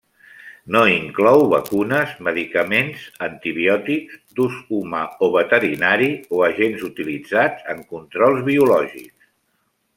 No inclou vacunes, medicaments, antibiòtics, d'ús humà o veterinari, o agents utilitzats en controls biològics.